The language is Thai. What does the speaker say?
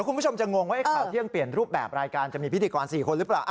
คุณผู้ชมจะงงว่าข่าวเที่ยงเปลี่ยนรูปแบบรายการจะมีพิธีกร๔คนหรือเปล่า